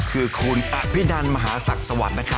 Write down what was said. คือคุณอพินันมศักย์สวรรค์นะครับ